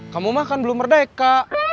kamu makan belum merdeka